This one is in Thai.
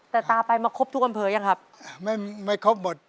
แต่ตาไปมาครบทุกอำเภอยังครับไม่ไม่ครบหมด